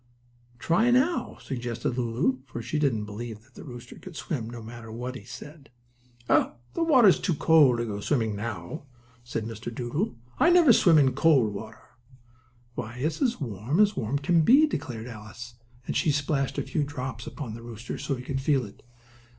"Try now," suggested Lulu, for she didn't believe that rooster could swim, no matter what he said. "Oh, the water is too cold to go swimming now," said Mr. Doodle. "I never swim in cold water." "Why, it's as warm as warm can be," declared Alice, and she splashed a few drops upon the rooster, so he could feel it.